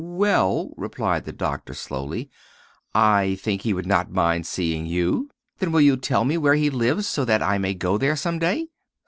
"Well," replied the doctor, slowly, "I think he would not mind seeing you." "Then will you tell me where he lives so that I can go there some day?"